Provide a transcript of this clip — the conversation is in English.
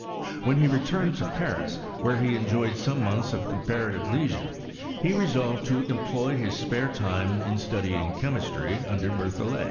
When he returned to Paris, where he enjoyed some months of comparative lei 8ure, he resolved to employ his spare time in study ing chemistry under BeithoUct.